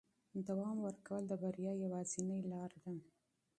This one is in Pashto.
دوام ورکول د بریا یوازینۍ لاره ده.